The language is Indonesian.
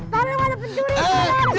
jangan jangan ada pencuri